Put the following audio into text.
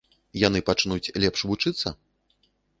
Яны пачнуць лепш вучыцца?